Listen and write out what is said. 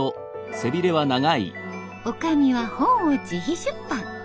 おかみは本を自費出版。